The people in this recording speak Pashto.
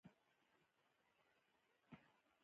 مومن خان خو دومره بتکۍ نه لري.